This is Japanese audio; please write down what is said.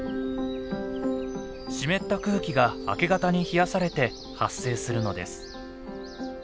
湿った空気が明け方に冷やされて発生するのです。